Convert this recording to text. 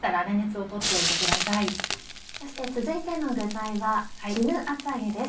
そして続いての具材は絹厚揚げです。